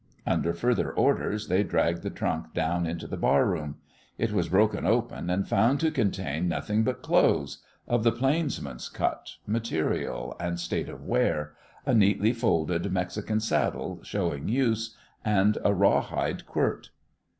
Under further orders, they dragged the trunk down into the bar room. It was broken open and found to contain nothing but clothes of the plainsman's cut, material, and state of wear; a neatly folded Mexican saddle showing use, and a raw hide quirt.